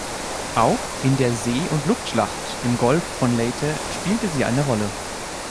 Auch in der See- und Luftschlacht im Golf von Leyte spielte sie eine Rolle.